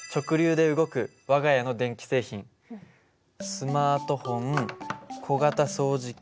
スマートフォン小型掃除機